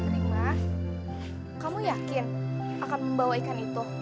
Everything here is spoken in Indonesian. rima kamu yakin akan membawa ikan itu